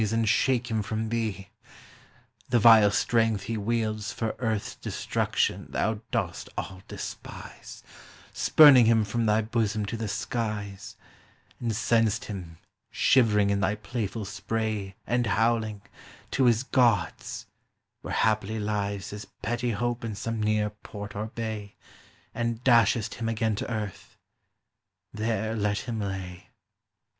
And shake him from thee; the vile strength he wields For earth's destruction thou dost all despise, Spurning him from thy bosom to the skies, And send'st him, shivering in thy playful spray And howling, to his gods, where haply lies His petty hope in some near port or bay, And dashest him again to earth :— there let him lay.